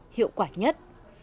hiệu quả nhất